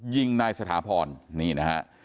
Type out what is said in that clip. ยิงนายสถาพรนี่นะฮะ